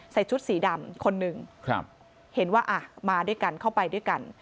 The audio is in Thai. ชุดสีดำคนหนึ่งเห็นว่าอ่ะมาด้วยกันเข้าไปด้วยกัน